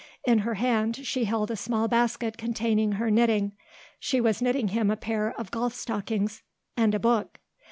In her hand she held a small basket containing her knitting she was knitting him a pair of golf stockings and a book.